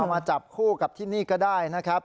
มาจับคู่กับที่นี่ก็ได้นะครับ